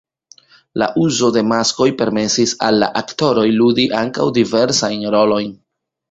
La uzo de maskoj permesis al la aktoroj ludi ankaŭ diversajn rolojn.